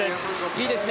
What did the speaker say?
いいですね。